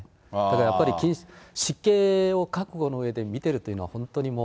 やっぱり、死刑を覚悟のうえで見てるというのは本当にもう。